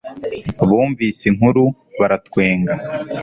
bumvise inkuru, baratwenga